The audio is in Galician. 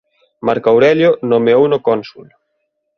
Marco Aurelio nomeouno cónsul.